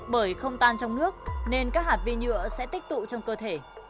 bởi không tan trong nước nên các hạt vi nhựa sẽ tích tụ trong cơ thể